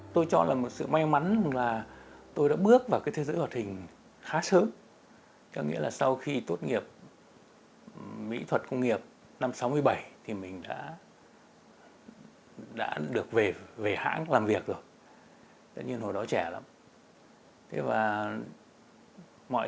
tôi chọn là một sự may mắn là tôi đã bước vào cái thế giới hoạt hình khá sớm có nghĩa là sau khi tốt nghiệp mỹ thuật công nghiệp năm sáu mươi bảy thì mình đã được về hãng làm việc rồi